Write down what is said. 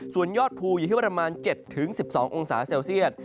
ส่วนยอดภูอยู่ที่ประมาณ๗๑๒องศาเซลเซียต